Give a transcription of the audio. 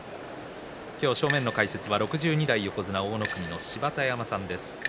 今日、正面の解説は、６２代横綱大乃国の芝田山さんです。